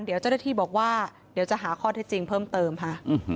เดี๋ยวเจ้าหน้าที่บอกว่าเดี๋ยวจะหาข้อเท็จจริงเพิ่มเติมค่ะ